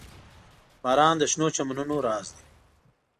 • باران د شنو چمنونو راز دی.